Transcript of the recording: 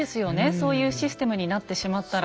そういうシステムになってしまったら。